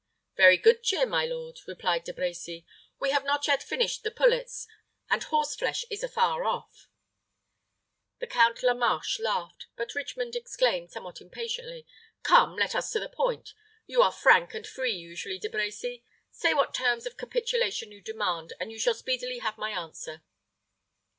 "Very good cheer, my lord," replied De Brecy. "We have not yet finished the pullets, and horse flesh is afar off." The Count La Marche laughed; but Richmond exclaimed, somewhat impatiently, "Come, let us to the point. You are frank and free usually, De Brecy. Say what terms of capitulation you demand, and you shall speedily have my answer."